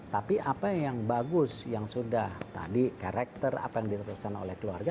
tapi apa yang bagus yang sudah tadi karakter apa yang diteruskan oleh keluarga